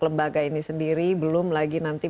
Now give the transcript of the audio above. lembaga ini sendiri belum lagi nanti